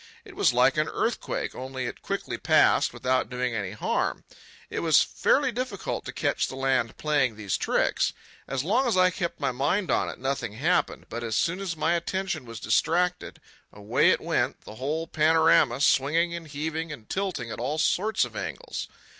It was like an earthquake, only it quickly passed without doing any harm. It was fairly difficult to catch the land playing these tricks. As long as I kept my mind on it, nothing happened. But as soon as my attention was distracted, away it went, the whole panorama, swinging and heaving and tilting at all sorts of angles.